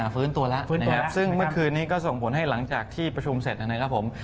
ฟื้นตัวแล้วฟื้นตัวซึ่งเมื่อคืนนี้ก็ส่งผลให้หลังจากที่ประชุมเสร็จนะครับผม